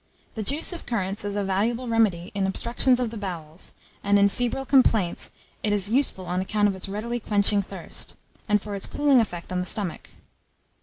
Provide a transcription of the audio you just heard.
The juice of currants is a valuable remedy in obstructions of the bowels; and, in febrile complaints, it is useful on account of its readily quenching thirst, and for its cooling effect on the stomach.